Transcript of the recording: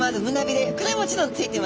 これはもちろんついてます。